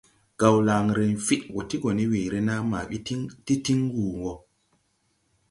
Gawlanre fid wɔ ti go ne weere naa ma ti tin wuu woo.